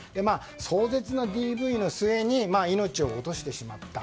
壮絶なＤＶの末に命を落としてしまった。